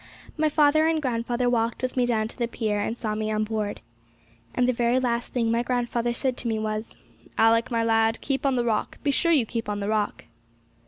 My father and grandfather walked with me down to the pier, and saw me on board. And the very last thing my grandfather said to me was, 'Alick, my lad, keep on the Rock be sure you keep on the Rock!'